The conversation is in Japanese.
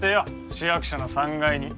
市役所の３階に。